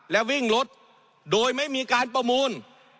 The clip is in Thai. และวิ่งรถโดยไม่มีการประมูล